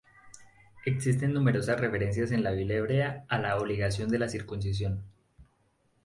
Existen numerosas referencias en la Biblia hebrea a la obligación de la circuncisión.